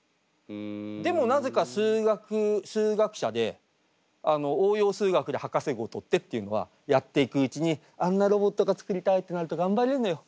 でもなぜか数学数学者で応用数学で博士号取ってっていうのはやっていくうちにあんなロボットが作りたいってなると頑張れるのよ。